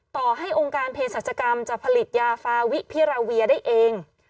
ต่อให้องค์การเพศรัชกรรมจะผลิตยาฟาวิพิราเวียได้เอง